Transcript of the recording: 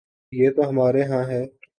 یہ تو ہمارے ہاں ہے۔